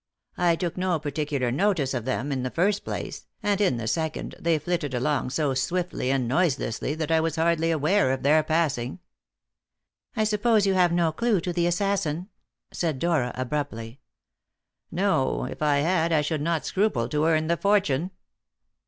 I took no particular notice of them, in the first place; and in the second, they flitted along so swiftly and noiselessly that I was hardly aware of their passing." "I suppose you have no clue to the assassin?" said Dora abruptly. "No. If I had, I should not scruple to earn the fortune."